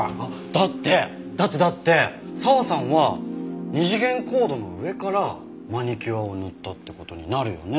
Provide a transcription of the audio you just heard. だってだってだって佐和さんは二次元コードの上からマニキュアを塗ったって事になるよね？